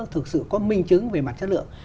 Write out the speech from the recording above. thực sự có minh chứng về mặt chất lượng